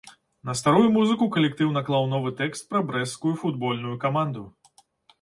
На старую музыку калектыў наклаў новы тэкст пра брэсцкую футбольную каманду.